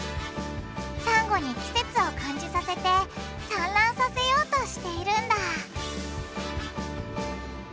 サンゴに季節を感じさせて産卵させようとしているんだ